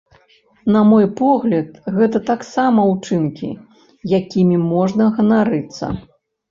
На мой погляд, гэта таксама ўчынкі, якімі можна ганарыцца.